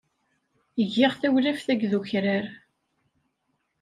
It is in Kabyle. Giɣ tawlaft akked ukrar.